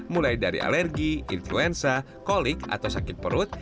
mulai dari alergi influenza kolik atau sakit perut